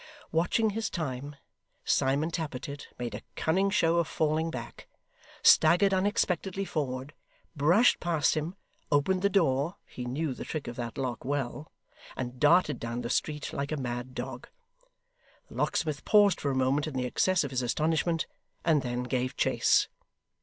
Watching his time, Simon Tappertit made a cunning show of falling back, staggered unexpectedly forward, brushed past him, opened the door (he knew the trick of that lock well), and darted down the street like a mad dog. The locksmith paused for a moment in the excess of his astonishment, and then gave chase.